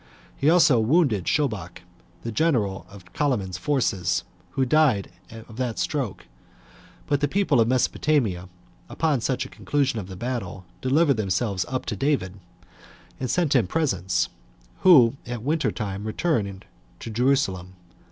He also wounded Shobach, the general of Chalaman's forces, who died of that stroke; but the people of Mesopotamia, upon such a conclusion of the battle, delivered themselves up to David, and sent him presents, who at winter time returned to Jerusalem.